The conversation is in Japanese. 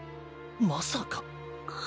まさか。